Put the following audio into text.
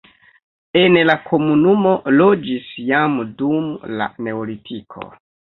En la komunumo loĝis jam dum la neolitiko.